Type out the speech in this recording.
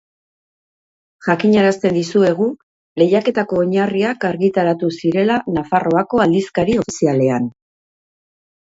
Jakinarazten dizuegu Lehiaketako oinarriak argitaratu zirela Nafarroako Aldizkari Ofizialean.